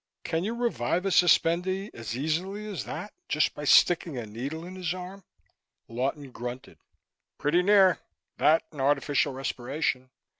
Can you revive a suspendee as easily as that, just by sticking a needle in his arm?" Lawton grunted. "Pretty near, that and artificial respiration.